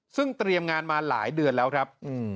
ซึ่งเตรียมงานมาหลายเดือนแล้วครับ